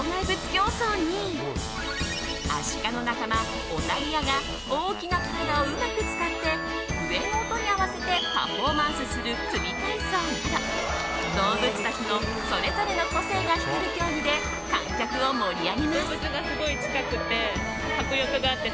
競走にアシカの仲間オタリアが大きな体をうまく使って笛の音に合わせてパフォーマンスする組み体操など動物たちのそれぞれの個性が光る競技で観客を盛り上げます。